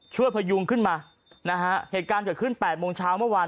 พยุงขึ้นมานะฮะเหตุการณ์เกิดขึ้นแปดโมงเช้าเมื่อวาน